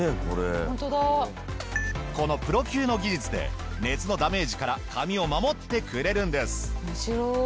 このプロ級の技術で熱のダメージから髪を守ってくれるんです。